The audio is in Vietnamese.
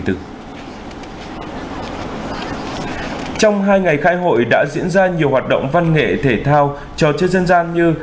trong hai ngày khai hội đã diễn ra nhiều hoạt động văn nghệ thể thao cho chơi dân gian như